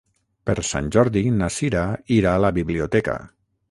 Per Sant Jordi na Cira irà a la biblioteca.